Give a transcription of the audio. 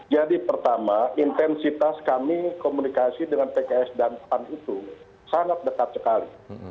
pertama intensitas kami komunikasi dengan pks dan pan itu sangat dekat sekali